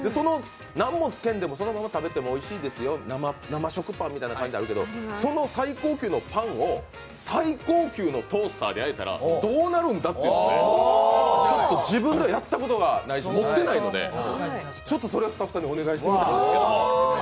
何もつけんでも、そのまま食べてもおいしいですよっていう生食パンみたいな感じあるけどその最高級のパンを最高級のトースターでやったらどうなるんだっていうので、ちょっと自分ではやったことがないし持ってないのでそれをスタッフさんにお願いしといたんです。